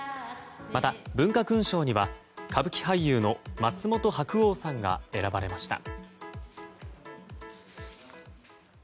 また、文化勲章には歌舞伎俳優の松本白鸚さんが選ばれました。